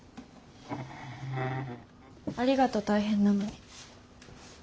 ありがと大変なのに。